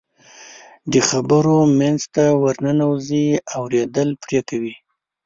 د خبرو منځ ته ورننوځي، اورېدل پرې کوي.